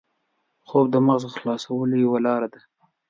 خوب د مغز خلاصولو یوه لاره ده